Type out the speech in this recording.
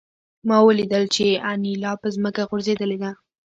ما ولیدل چې انیلا په ځمکه غورځېدلې ده